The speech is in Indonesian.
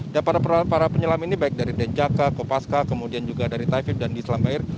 dan para penyelam ini baik dari denjaka kopaska kemudian juga dari taifib dan di selam bayar